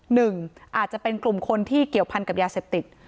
หนึ่งอาจจะเป็นกลุ่มคนที่เกี่ยวพันกับยาเสพติด